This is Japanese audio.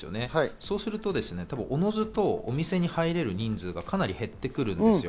そうすると、おのずとお店に入れる人数がかなり減ってきます。